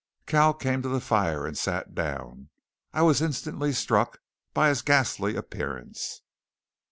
Cal came to the fire and sat down. I was instantly struck by his ghastly appearance.